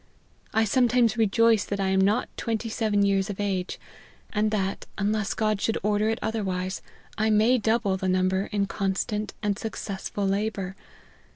I some times rejoice that I am not twenty seven years of age ; and that, unless God should order it other wise, I may double the number in constant and successful labour.